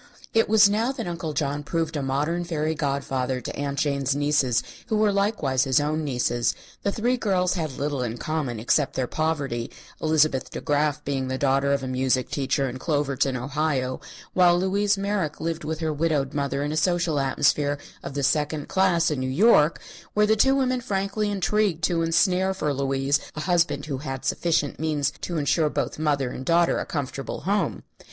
It was now that Uncle John proved a modern fairy godfather to Aunt Jane's nieces who were likewise his own nieces. The three girls had little in common except their poverty, Elizabeth De Graf being the daughter of a music teacher, in Cloverton, Ohio, while Louise Merrick lived with her widowed mother in a social atmosphere of the second class in New York, where the two women frankly intrigued to ensnare for Louise a husband who had sufficient means to ensure both mother and daughter a comfortable home.